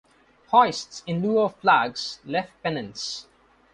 Hoist, in lieu of flags, left pennants.